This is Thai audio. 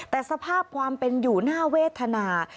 แต่สภาพความเป็นอยู่น่าเวทนา